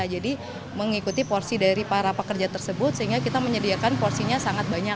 jadi mengikuti porsi dari para pekerja tersebut sehingga kita menyediakan porsinya sangat banyak